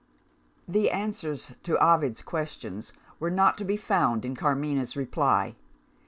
The answers to Ovid's questions were not to be found in Carmina's reply.